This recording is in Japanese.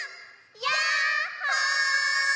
やっほー！